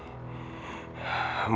aku ingin tahu